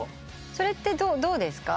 それってどうですか？